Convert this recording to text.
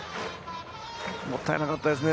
もったいなかったですね。